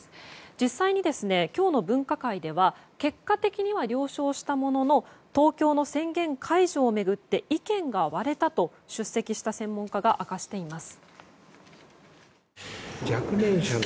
実際に、今日の分科会では結果的には了承したものの東京の宣言解除を巡って意見が割れたと出席した専門家が明かしています。